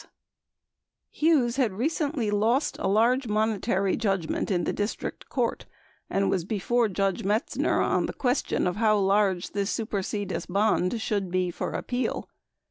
996 Hughes had recently lost a large monetary judgment in the district court and was before Judge Metzner on the question of how large the supersedeas bond should be for appeal.